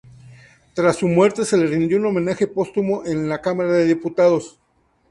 Tras su muerte, se le rindió un homenaje póstumo en la Camara de Diputados.